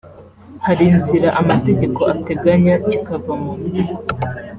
hari inzira amategeko ateganya kikava mu nzira